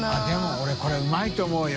俺これうまいと思うよ。